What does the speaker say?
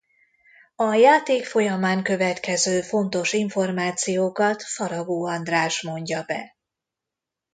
A játék folyamán következő fontos információkat Faragó András mondja be.